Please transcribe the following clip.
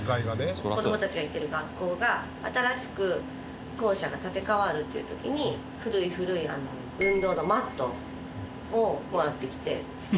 子どもたちが行ってる学校が新しく校舎が建て替わるという時に古い古い運動のマットをもらってきて。